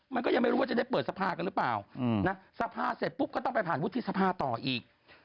มันก็ยังไม่รู้ว่าจะได้เปิดสภากันหรือเปล่านะสภาเสร็จปุ๊บก็ต้องไปผ่านวุฒิสภาต่ออีก